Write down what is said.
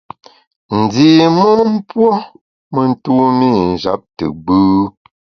Ndi mon puo me ntumî njap te gbù.